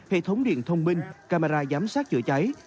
hệ thống điện thông minh camera giám sát chữa cháy